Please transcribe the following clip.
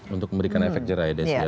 untuk memberikan efek jerai dan sebagainya